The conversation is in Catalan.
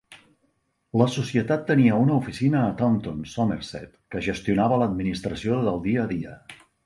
La Societat tenia una oficina a Taunton, Somerset, que gestionava l'administració del dia a dia.